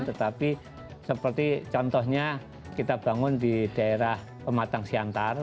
tetapi seperti contohnya kita bangun di daerah pematang siantar